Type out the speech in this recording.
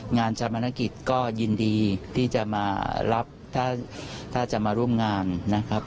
ชามนกิจก็ยินดีที่จะมารับถ้าจะมาร่วมงานนะครับ